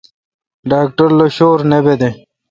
ڈاکٹر لو شور نہ بیدہ۔